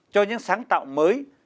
cho những sáng tạo mới